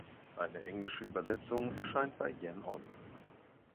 Eine englische Übersetzung erscheint bei Yen On.